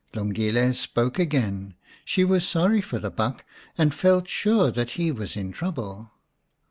Lungile spoke again. She was sorry for the buck, and felt sure that he was in trouble.